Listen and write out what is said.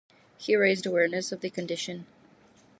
He raised awareness of the condition.